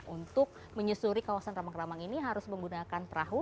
untuk menyusuri kawasan rambang rambang ini harus menggunakan perahu